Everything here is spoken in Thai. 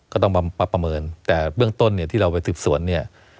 ก็ต้องมาประเมินแต่เบื้องต้นเนี่ยที่เราไปสืบสวนเนี่ย